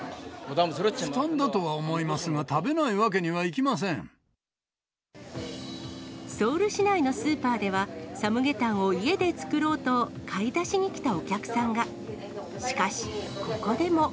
負担だとは思いますが、ソウル市内のスーパーでは、サムゲタンを家で作ろうと買い出しに来たお客さんが。